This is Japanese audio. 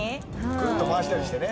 クルッと回したりしてね。